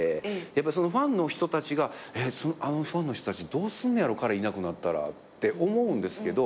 やっぱりそのファンの人たちがあのファンの人たちどうすんねやろ彼いなくなったらって思うんですけど